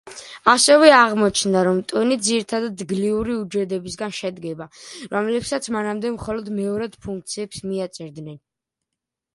ასევე აღმოჩნდა, რომ ტვინი ძირითადად გლიური უჯრედებისგან შედგება, რომლებსაც მანამდე მხოლოდ მეორად ფუნქციებს მიაწერდნენ.